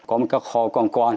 có một cái kho con con